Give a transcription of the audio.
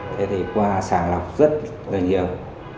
thế thì qua sàng lọc rất là nhiều